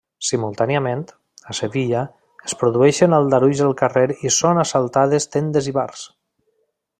Simultàniament, a Sevilla, es produeixen aldarulls al carrer i són assaltades tendes i bars.